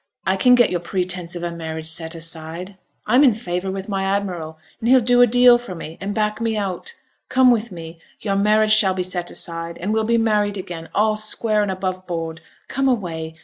I can get your pretence of a marriage set aside. I'm in favour with my admiral, and he'll do a deal for me, and back me out. Come with me; your marriage shall be set aside, and we'll be married again, all square and above board. Come away.